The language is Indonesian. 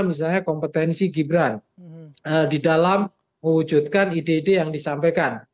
misalnya kompetensi gibran di dalam mewujudkan ide ide yang disampaikan